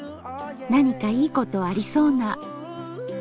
何かいいことありそうな。